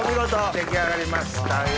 出来上がりましたよ。